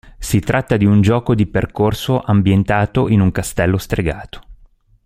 Si tratta di un gioco di percorso ambientato in un castello stregato.